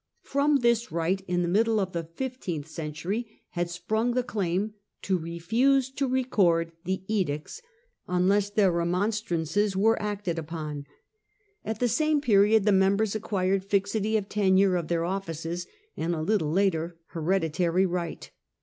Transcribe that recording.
From this right, in the middle of the fifteenth century, had sprung the claim to refuse to record the edicts unless their 1 remontrances * were acted upon. At the same period the members acquired fixity of tenure of their offices, and, a little later, hereditary right.